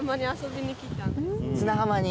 砂浜に。